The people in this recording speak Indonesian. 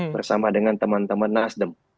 bersama dengan teman teman nasdem